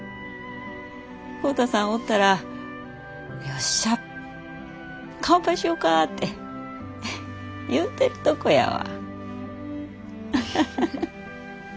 浩太さんおったら「よっしゃ乾杯しよか！」て言うてるとこやわ。